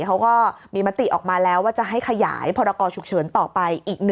เขาก็มีมติออกมาแล้วว่าจะให้ขยายพรกรฉุกเฉินต่อไปอีก๑